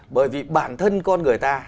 bởi vì bản thân con người ta